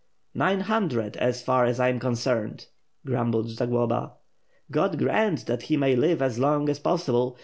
"Nine hundred so far as I am concerned," grumbled Za globa. "God grant that he may live as long as possible!